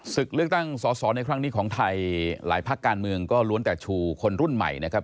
ศึกเลือกตั้งสอสอในครั้งนี้ของไทยหลายภาคการเมืองก็ล้วนแต่ชูคนรุ่นใหม่นะครับ